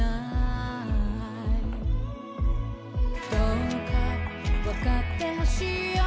「どうか分かって欲しいよ」